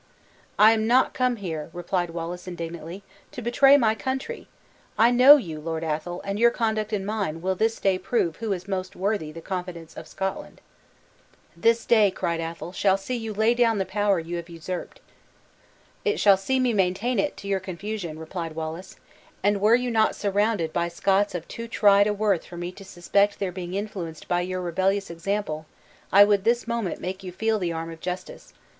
"I am not come here," replied Wallace indignantly, "to betray my country! I know you, Lord Athol: and your conduct and mine will this day prove who is most worthy the confidence of Scotland." "This day," cried Athol, "shall see you lay down the power you have usurped." "It shall see me maintain it, to your confusion," replied Wallace, "and were you not surrounded by Scots of too tried a worth for me to suspect their being influenced by your rebellious example, I would this moment make you feel the arm of justice.